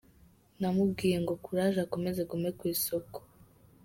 Namubwira ngo courage akomeze agume ku isoko.